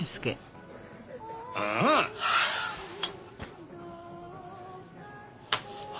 ああ。